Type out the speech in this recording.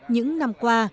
những năm qua